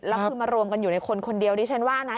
แล้วคือมารวมกันอยู่ในคนคนเดียวดิฉันว่านะ